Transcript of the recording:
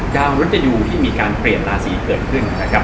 ดาวรุตยูที่มีการเปลี่ยนราศีเกิดขึ้นนะครับ